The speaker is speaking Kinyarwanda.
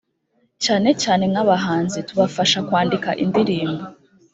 cyane cyane nk’abahanzi, tubafasha kwandika indirimbo